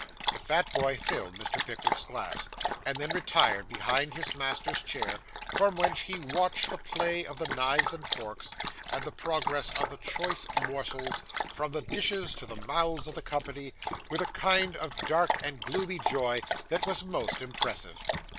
The fat boy filled Mr. Pickwick's glass, and then retired behind his master's chair, from whence he watched the play of the knives and forks, and the progress of the choice morsels from the dishes to the mouths of the company, with a kind of dark and gloomy joy that was most impressive.